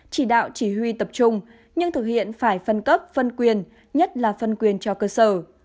chỉ đạo chỉ huy tập trung nhưng thực hiện phải phân cấp phân quyền nhất là phân quyền cho cơ sở